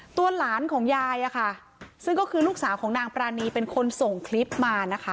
ตัวหลานของยายอะค่ะซึ่งก็คือลูกสาวของนางปรานีเป็นคนส่งคลิปมานะคะ